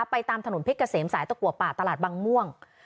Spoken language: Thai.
ตามถนนเพชรเกษมสายตะกัวป่าตลาดบางม่วง